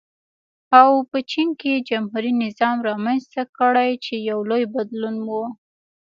او په چین کې جمهوري نظام رامنځته کړي چې یو لوی بدلون و.